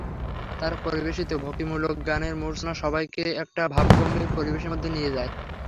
তাঁর পরিবেশিত ভক্তিমূলক গানের মূর্ছনা সবাইকে একটা ভাবগম্ভীর পরিবেশের মধ্যে নিয়ে যায়।